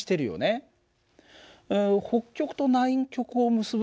北極と南極を結ぶ